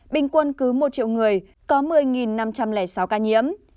bình quân cứ một triệu người có một mươi năm trăm linh sáu ca nhiễm